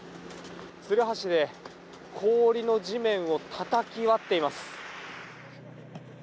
つるはしで氷の地面をたたき割っています。